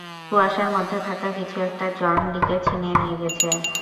কুয়াশার মধ্যে থাকা কিছু একটা জন লিকে ছিনিয়ে নিয়ে গেছে!